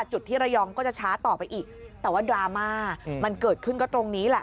จุดที่ระยองก็จะช้าต่อไปอีกแต่ว่าดราม่ามันเกิดขึ้นก็ตรงนี้แหละ